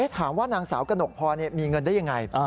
ถามว่านางสาวกระหนกพรมีเงินได้ยังไง